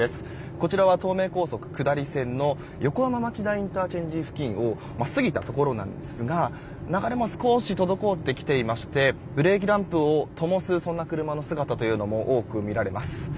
こちらは東名高速下り線の横浜町田ＩＣ付近を過ぎたところなんですが流れも少し滞ってきていましてブレーキランプをともす車の姿も多く見られます。